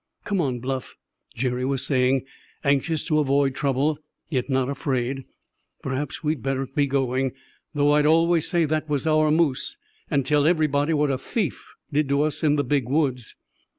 "Come on, Bluff," Jerry was saying, anxious to avoid trouble, yet not afraid; "perhaps we'd better be going, though I'll always say that was our moose, and tell everybody what a thief did to us in the Big Woods."